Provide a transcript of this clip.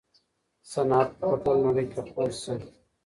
صنعت به په ټوله نړۍ کي خپور سي.